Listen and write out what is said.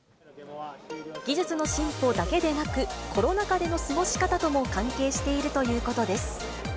技術の進歩だけでなく、コロナ禍での過ごし方とも関係しているということです。